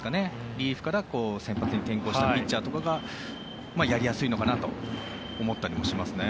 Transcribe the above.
リリーフから先発に転向したピッチャーとかがやりやすいのかなと思ったりもしますね。